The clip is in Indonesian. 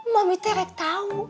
mami teh rek tau